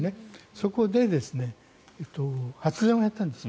そこで発電をやったんです。